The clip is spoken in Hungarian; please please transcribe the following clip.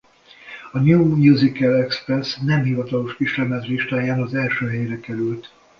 Az New Musical Express nem hivatalos kislemezlistáján az első helyre került.